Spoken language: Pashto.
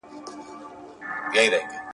نیکه ویله چي کوی ښه کار !.